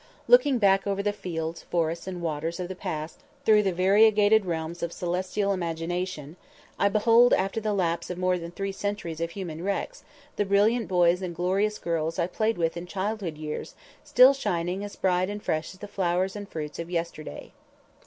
Looking back over the fields, forests and waters of the past through the variegated realms of celestial imagination, I behold after the lapse of more than three centuries of human wrecks, the brilliant boys and glorious girls I played with in childhood years still shining as bright and fresh as the flowers and fruits of yesterday!